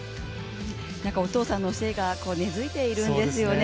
お父さんの教えが根付いているんですよね。